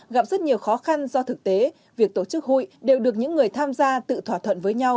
gặp rất nhiều khó khăn do thực tế việc tổ chức hội đều được những người tham gia tự thỏa thuận với nhau